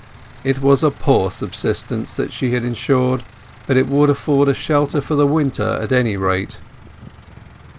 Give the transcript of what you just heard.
It was a poor subsistence that she had ensured, but it would afford a shelter for the winter at any rate.